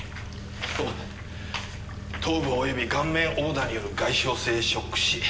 頭部および顔面殴打による外傷性ショック死。